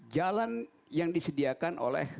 jalan yang disediakan oleh